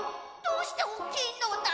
どうしておっきいのだ？